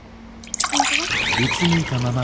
返事は？